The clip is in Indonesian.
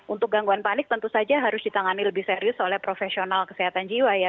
untuk gangguan panik tentu saja harus ditangani lebih serius oleh profesional kesehatan jiwa ya